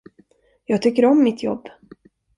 Jag tycker om mitt jobb.